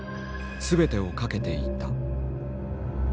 全てをかけていた。